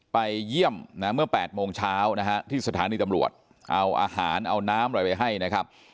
ไปเยี่ยมนะเมื่อ๘โมงเช้านะฮะที่สถานีตำรวจเอาอาหารเอาน้ำอะไรไปให้นะครับ